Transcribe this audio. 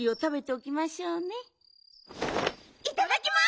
いただきます！